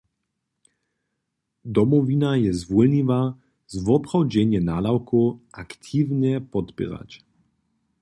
Domowina je zwólniwa, zwoprawdźenje naprawow aktiwnje podpěrać.